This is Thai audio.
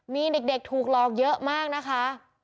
มีเด็กถูกหลอกเยอะมากนะคะ